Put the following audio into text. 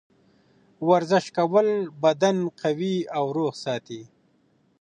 ورزش کول بدن قوي او روغ ساتي.